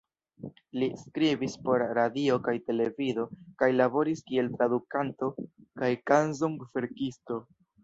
Li skribis por radio kaj televido kaj laboris kiel tradukanto kaj kanzon-verkisto.